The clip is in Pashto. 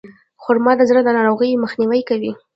خرما د زړه د ناروغیو مخنیوی کوي.